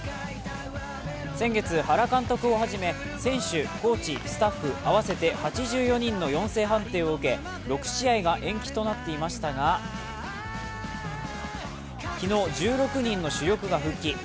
先月、原監督を初め、選手、コーチ、スタッフ、合わせて８４人の陽性判定を受け６試合が延期となっていましたが昨日、１６人の主力が復帰。